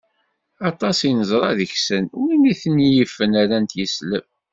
Aṭas i neẓra deg-sen, win ten-yifen rran-t yesleb